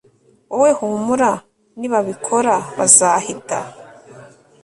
wowe humura nibabikora bazahita